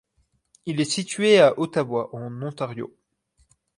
Il est situé à Ottawa en Ontario.